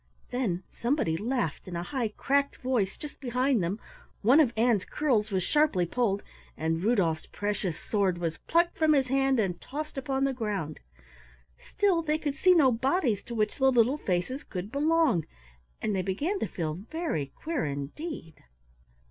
Then somebody laughed in a high cracked voice just behind them, one of Ann's curls was sharply pulled, and Rudolf's precious sword was plucked from his hand and tossed upon the ground. Still they could see no bodies to which the little faces could belong, and they began to feel very queer indeed.